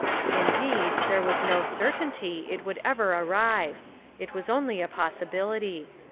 Indeed, there was no certainty it would ever arrive; it was only a possibility.